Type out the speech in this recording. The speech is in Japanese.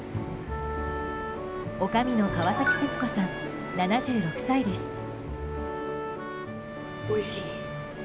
おかみの川崎節子さん、７６歳です。